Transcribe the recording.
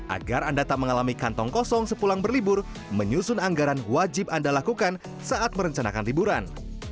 agar anda tak mengalami kantong kosong sepulang berlibur menyusun anggaran wajib anda lakukan saat merencanakan liburan